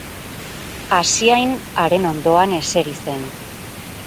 Asiain haren ondoan eseri zen.